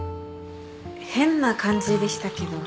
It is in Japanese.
変な感じでしたけど。